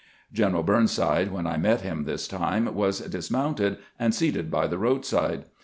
General Burnside, when I met him this time, was dismounted and seated by the roadside.